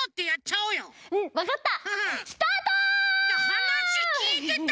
はなしきいてた？